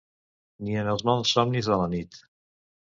Ni en els mals somnis de la nit